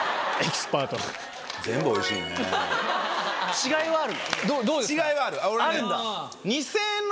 違いはあるの？